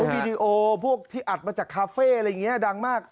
วีดีโอพวกที่อัดมาจากคาเฟ่อะไรอย่างนี้ดังมาก